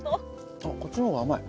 あこっちの方が甘い。